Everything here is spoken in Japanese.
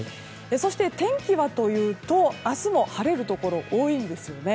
そして、天気はというと明日も晴れるところ多いんです。